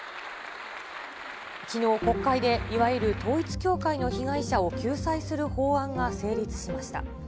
きのう、国会で、いわゆる統一教会の被害者を救済する法案が成立しました。